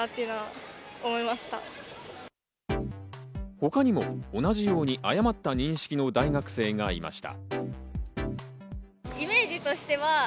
他にも同じように誤った認識の大学生がいました。